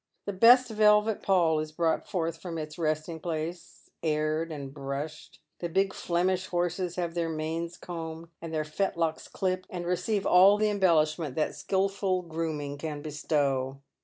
The best velvet pall is brought forth from its resting place, aired and brushed. The big Flemish horses have their manes combed and their fetlocks clipped, and receive all the embellishment that skilful grooming can bestow.